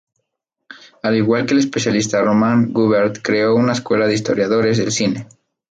Al igual que el especialista Román Gubern, creó una escuela de historiadores del cine.